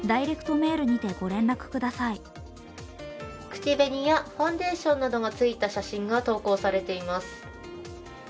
口紅やファンデーションなどがついた写真が投稿されています。